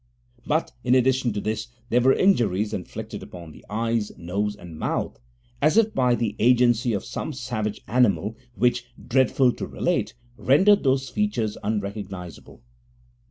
But, in addition to this, there were injuries inflicted upon the eyes, nose and mouth, as if by the agency of some savage animal, which, dreadful to relate, rendered those features unrecognizable.